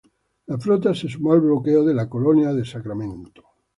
La flota se sumó al bloqueo de la Colonia del Sacramento.